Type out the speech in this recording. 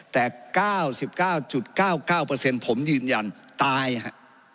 แต่๙๙๙๙ผมยืนยันตายฮะ